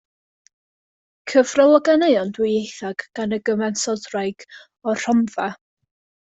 Cyfrol o ganeuon dwyieithog gan y gyfansoddwraig o'r Rhondda.